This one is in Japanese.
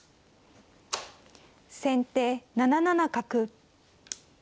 先手７七角。